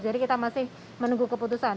jadi kita masih menunggu keputusan